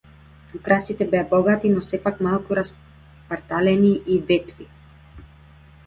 Украсите беа богати, но сепак малку распарталени и ветви.